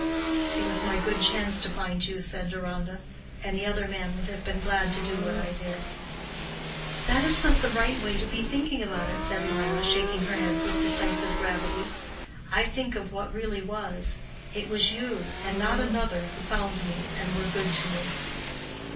"It was my good chance to find you," said Deronda. "Any other man would have been glad to do what I did." "That is not the right way to be thinking about it," said Mirah, shaking her head with decisive gravity, "I think of what really was. It was you, and not another, who found me and were good to me."